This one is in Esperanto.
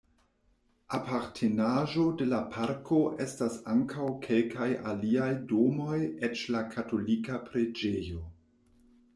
Apartenaĵo de la parko estas ankaŭ kelkaj aliaj domoj eĉ la katolika preĝejo.